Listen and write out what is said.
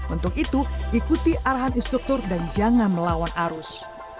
untuk itu ikuti arahan instruktur dan jangan melawan arus